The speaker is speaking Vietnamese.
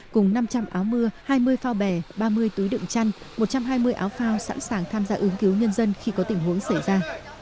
cùng năm trăm linh áo mưa hai mươi phao bè ba mươi túi đựng chăn một trăm hai mươi áo phao sẵn sàng tham gia ứng cứu nhân dân khi có tình huống xảy ra